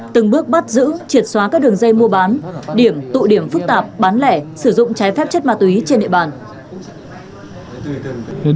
từng bước bắt giữ triệt xóa các đường dây mua bán điểm tụ điểm phức tạp bán lẻ sử dụng trái phép chất ma túy trên địa bàn